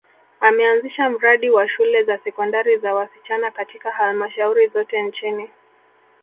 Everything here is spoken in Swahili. ameanzisha mradi wa shule za sekondari za wasichana katika halmashauri zote nchini